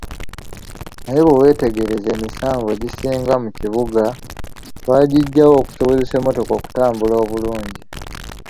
Naye bweweetegereza emisanvu egisinga mu kibuga twagijjawo okusobozesa emmotoka okutambula obulungi.